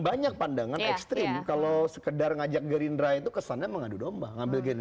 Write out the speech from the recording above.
banyak pandangan ekstrim kalau sekedar ngajak gerindra itu kesannya mengadu domba ngambil gini